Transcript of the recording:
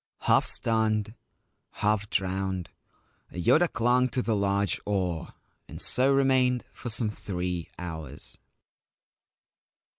Half stunned, half drowned, Yoda clung to the large oar, and so remained for some three hours.